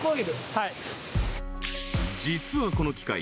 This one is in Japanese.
はい実はこの機械